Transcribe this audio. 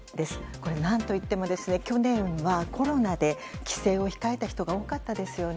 これは、何といっても去年はコロナで帰省を控えた人が多かったですよね。